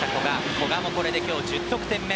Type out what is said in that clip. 古賀もこれで１０得点目。